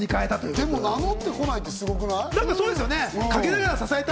でも、名乗ってこないってすごくない？